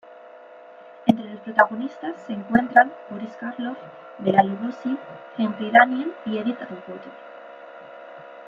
Entre los protagonistas se encuentran Boris Karloff, Bela Lugosi, Henry Daniell y Edith Atwater.